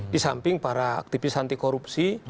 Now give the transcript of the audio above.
di samping para aktivis anti korupsi